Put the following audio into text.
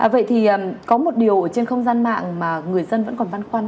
vậy thì có một điều ở trên không gian mạng mà người dân vẫn còn văn khoăn